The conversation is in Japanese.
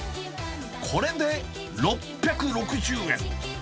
これで６６０円。